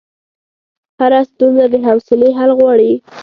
هره ستونزه د حوصلې حل غواړي.